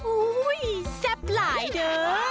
อุ้ยแซ่บหลายเด้อ